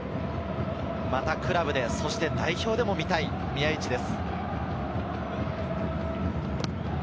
またクラブで、そして代表でも見たい、宮市です。